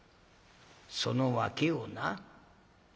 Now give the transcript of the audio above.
その訳をな。